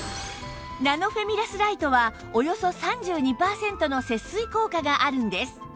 ナノフェミラスライトはおよそ３２パーセントの節水効果があるんです